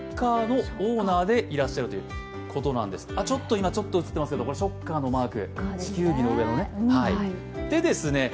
これちょっと映ってますがショッカーのマーク。